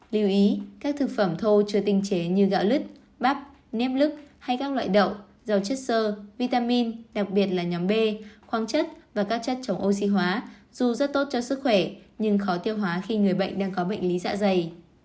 lưu ý các thực phẩm thô chưa tinh chế như gạo lứt bắp nếp lức hay các loại đậu rau chất sơ vitamin đặc biệt là nhóm b khoáng chất và các chất chống oxy hóa dù rất tốt cho sức khỏe nhưng khó tiêu hóa khi người bệnh đang có bệnh lý dạ dày